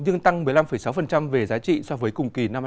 nhưng tăng một mươi năm sáu về giá trị so với cùng kỳ năm hai nghìn hai mươi ba